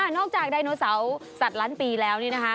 จากไดโนเสาร์สัตว์ล้านปีแล้วนี่นะคะ